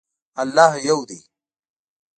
الله یو دی